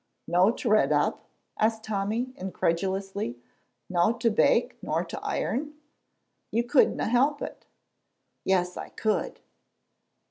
"No to redd up?" asked Tommy, incredulously. "No to bake nor to iron? You couldna help it." "Yes I could."